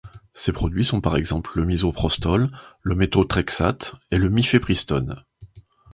Ces produits sont par exemple le misoprostol, le methotrexate et le mifepristone.